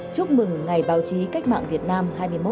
chúc mừng ngày báo chí cách mạng việt nam